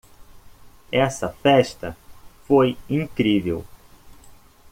Essa festa foi incrível.